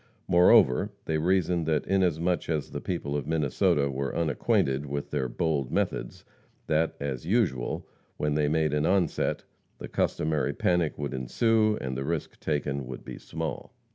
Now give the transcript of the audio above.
Moreover, they reasoned that inasmuch as the people of Minnesota were unacquainted with their bold methods, that, as usual, when they made an onset, the customary panic would ensue, and the risk taken would be small.